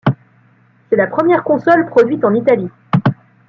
C'est la première console produite en Italie.